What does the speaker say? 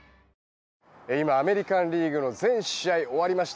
今、アメリカン・リーグの全試合が終わりました。